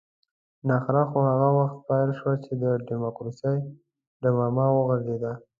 نخره خو هغه وخت پيل شوه چې د ډيموکراسۍ ډمامه وغږېده.